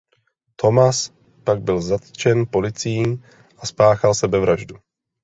Thomas pak byl zatčen policií a spáchal sebevraždu.